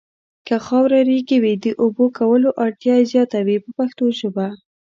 که خاوره ریګي وي د اوبو کولو اړتیا یې زیاته وي په پښتو ژبه.